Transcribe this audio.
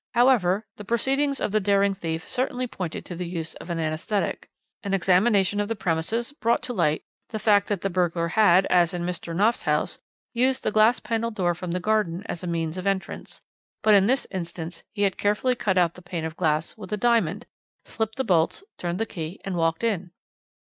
However, the proceedings of the daring thief certainly pointed to the use of an anaesthetic. An examination of the premises brought to light the fact that the burglar had, as in Mr. Knopf's house, used the glass panelled door from the garden as a means of entrance, but in this instance he had carefully cut out the pane of glass with a diamond, slipped the bolts, turned the key, and walked in.